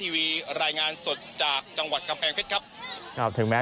วีรายงานสดจากจังหวัดกำแพงเพชรครับครับถึงแม้